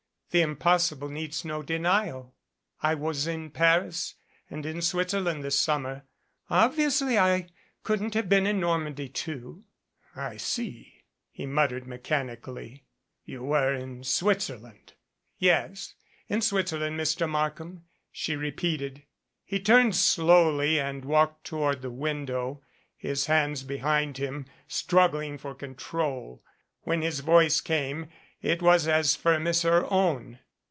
"The impossible needs no denial. I was in Paris and in Switzerland this summer. Obviously I couldn't have been in Normandy, too." "I see," he muttered mechanically. "You were in Switzerland." "Yes. In Switzerland, Mr. Markham," she repeated. He turned slowly and walked toward the window, his hands behind him, struggling for control. When his voice came, it was as firm as her own.